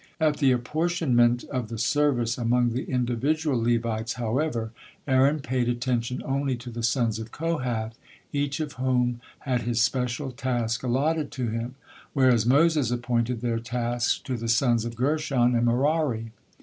At the apportionment of the service among the individual Levites, however, Aaron paid attention only to the sons of Kohath, each of whom had his special task allotted to him, whereas Moses appointed their tasks to the sons of Gershon and Merari.